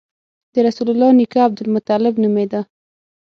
د رسول الله نیکه عبدالمطلب نومېده.